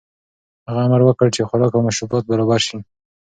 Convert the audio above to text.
هغه امر وکړ چې خوراک او مشروبات برابر شي.